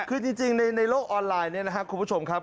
คือจริงในโลกออนไลน์เนี่ยนะครับคุณผู้ชมครับ